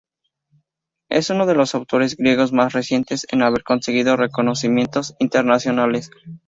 Es uno de los autores griegos más recientes en haber conseguido reconocimientos internacionales.